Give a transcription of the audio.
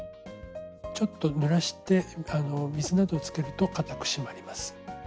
ちょっとぬらして水などつけるとかたく締まります。